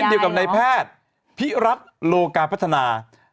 เช่นเดียวกับในแพทย์พิรัฐโลกาพัฒนา